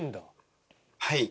はい。